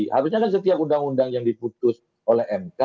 harusnya kan setiap undang undang yang diputus oleh mk